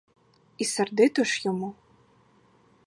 І сердито ж йому.